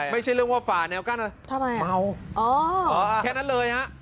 ไม่ใช่เรื่องว่าฝ่าแนวกั้นทำไมม้าอ๋อแค่นั้นเลยครับ